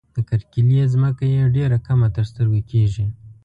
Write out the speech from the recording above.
د کرکيلې ځمکه یې ډېره کمه تر سترګو کيږي.